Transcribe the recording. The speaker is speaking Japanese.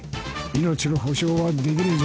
命の保証はできねえぞ。